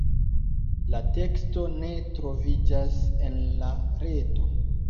La teksto ne troviĝas en la reto.